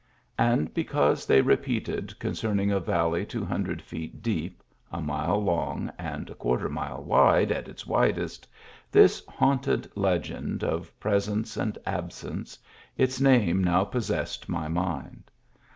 And because they repeated con cerning a valley two hundred feet deep, a mile long, and a quarter mile wide at its widest, this haunted legend of presence and absence, its name now possessed my mind.